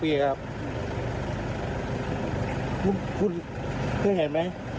พี่ไปต่อถ่ายแล้วครับ